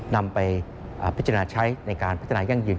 นำไปพัฒนาใช้ในการพัฒนายังยืน